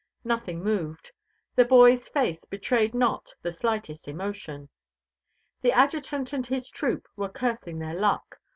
Nothing moved; the boy's face betrayed not the slightest emotion. The Adjutant and his troop were cursing their luck.